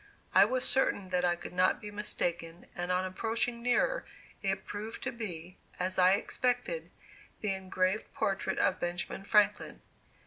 I was certain that I could not be mistaken, and on approaching nearer it proved to be, as I expected, the engraved portrait of Benjamin Franklin.